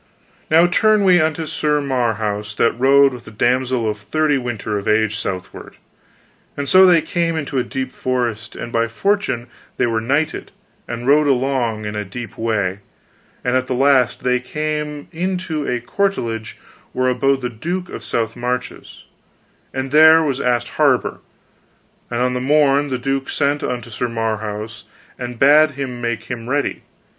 "Now turn we unto Sir Marhaus that rode with the damsel of thirty winter of age southward. And so they came into a deep forest, and by fortune they were nighted, and rode along in a deep way, and at the last they came into a courtelage where abode the duke of South Marches, and there they asked harbour. And on the morn the duke sent unto Sir Marhaus, and bad him make him ready.